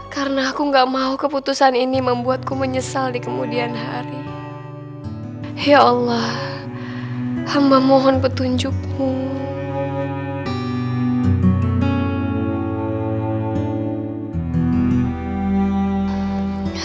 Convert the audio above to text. terima kasih atas dukungan anda